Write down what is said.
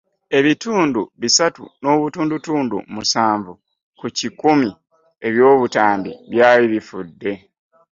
Ebitundu bisatu n'obutundutundu musanvu ku kikumi eby’obutabi byali bifudde.